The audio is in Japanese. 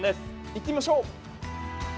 行ってみましょう。